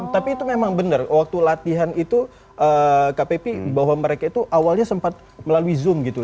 tapi itu memang benar waktu latihan itu kpp bahwa mereka itu awalnya sempat melalui zoom gitu